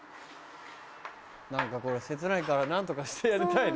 何かこれ切ないから何とかしてやりたいな。